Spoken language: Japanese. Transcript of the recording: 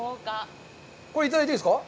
これ、いただいていいですか？